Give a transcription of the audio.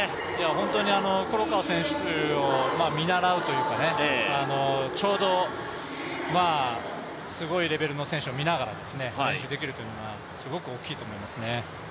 本当に黒川選手を見習うというか、ちょうどすごいレベルの選手を見ながら練習できるというのはすごく大きいと思います。